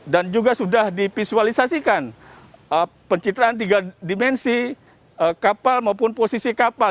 dan juga sudah dipisualisasikan pencitraan tiga dimensi kapal maupun posisi kapal